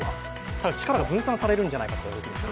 力が分散されるんじゃないかといわれています。